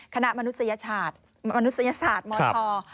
คณะมนุษยศาสตร์มนุษยศาสตร์มศ